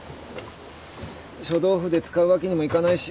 書道筆使うわけにもいかないし。